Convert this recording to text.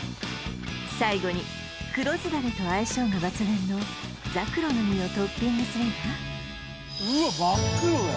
最後に黒酢ダレと相性が抜群のザクロの実をトッピングすればうわ